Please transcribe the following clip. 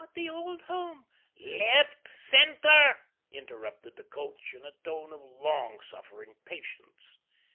"'Ah, the old home '" "Left centre," interrupted the coach, in a tone of long suffering patience.